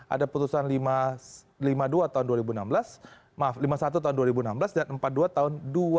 ada putusan lima puluh dua tahun dua ribu enam belas maaf lima puluh satu tahun dua ribu enam belas dan empat puluh dua tahun dua ribu enam belas